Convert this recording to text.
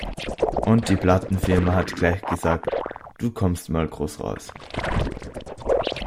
Und die Plattenfirma hat gleich gesagt, du kommst mal groß raus.